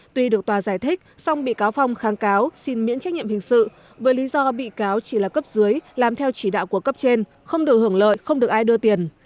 tuy được tòa giải thích song bị cáo phong kháng cáo xin miễn trách nhiệm hình sự với lý do bị cáo chỉ là cấp dưới làm theo chỉ đạo của cấp trên không được hưởng lợi không được ai đưa tiền